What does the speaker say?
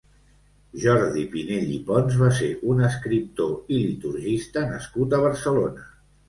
Jordi Pinell i Pons va ser un escriptor i liturgista nascut a Barcelona.